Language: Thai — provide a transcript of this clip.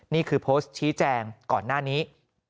นี่คือโพสต์ชี้แจงก่อนหน้านี้